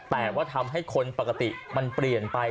แต่ว่าทำให้คนปกติมันเปลี่ยนไป